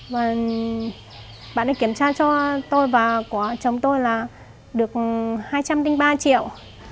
và bạn ấy kiểm tra cho tôi và của chồng tôi là được hai trăm linh ba triệu